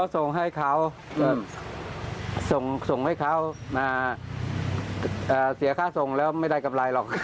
ส่งให้เขาก็ส่งให้เขามาเสียค่าส่งแล้วไม่ได้กำไรหรอก